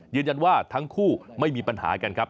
ยืนยันว่าทั้งคู่ไม่มีปัญหากันครับ